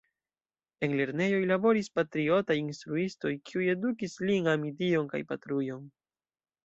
En lernejoj laboris patriotaj instruistoj, kiuj edukis lin ami Dion kaj Patrujon.